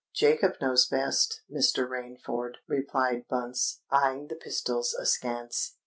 "Jacob knows best, Mr. Rainford," replied Bunce, eyeing the pistols askance.